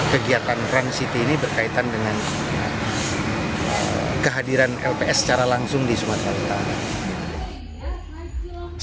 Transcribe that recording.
kegiatan frank city ini berkaitan dengan kehadiran lps secara langsung di sumatera utara